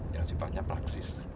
yang simpannya praksis